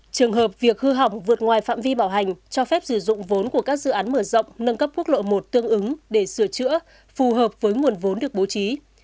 trường hợp việc hư hỏng vượt ngoài phạm vi bảo hành cho phép sử dụng vốn của các dự án mở rộng nâng cấp quốc lộ một tương ứng để sửa chữa phù hợp với nguồn vốn được bố trí